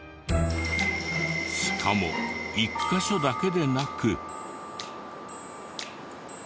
しかも１カ所だけでなく。